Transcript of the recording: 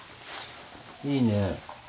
いいね。